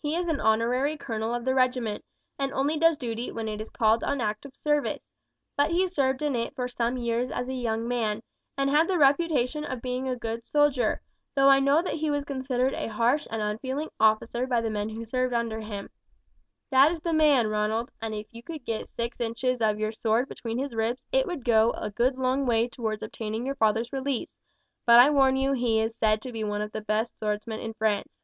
"He is an honorary colonel of the regiment, and only does duty when it is called on active service; but he served in it for some years as a young man, and had the reputation of being a good soldier, though I know that he was considered a harsh and unfeeling officer by the men who served under him. That is the man, Ronald, and if you could get six inches of your sword between his ribs it would go a good long way towards obtaining your father's release; but I warn you he is said to be one of the best swordsmen in France."